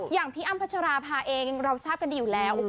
อย่างพี่อ้ำพัชราภาเองเราทราบกันดีอยู่แล้ว